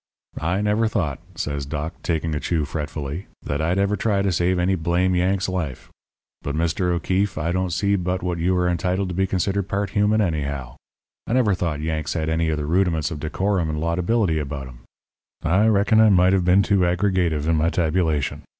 "'I never thought,' says Doc, taking a chew fretfully, 'that I'd ever try to save any blame Yank's life. But, Mr. O'Keefe, I don't see but what you are entitled to be considered part human, anyhow. I never thought Yanks had any of the rudiments of decorum and laudability about them. I reckon I might have been too aggregative in my tabulation.